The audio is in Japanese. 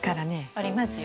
ありますよ。